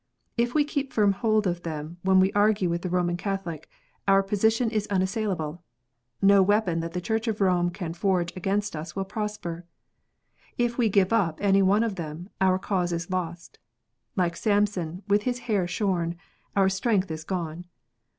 If we keep firm hold of them when we argue with a Roman Catholic, our position is unassailable : no weapon that the Church of Rome can forge against us will prosper. If we give up any one of them, our cause is lost. Like Samson, with his hair shorn, our strength is gone.